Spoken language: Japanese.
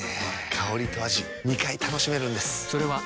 香りと味２回楽しめるんです。